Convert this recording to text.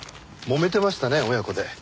もめてましたね親子で。